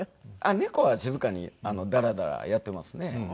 猫は静かにダラダラやっていますね。